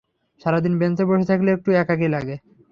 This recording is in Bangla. সারাদিন বেঞ্চে বসে থাকলে একটু একাকী লাগে।